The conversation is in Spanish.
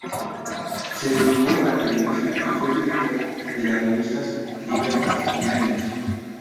Se dedicó al periodismo y fue director de las revistas "Libertas" y "Ánimos".